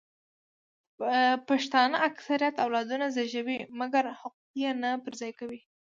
پښتانه اکثریت اولادونه زیږوي مګر حقوق یې نه پر ځای کوي